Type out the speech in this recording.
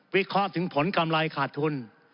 วิเคราะห์ถึงผลกำไรขาดทุน